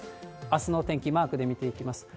あすのお天気、マークで見ていきます。